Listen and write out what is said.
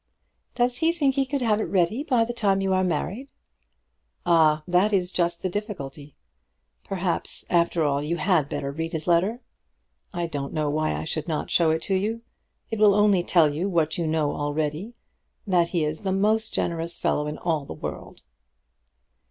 "Does he think he could have it ready by the time you are married?" "Ah; that is just the difficulty. Perhaps, after all, you had better read his letter. I don't know why I should not show it to you. It will only tell you what you know already, that he is the most generous fellow in all the world."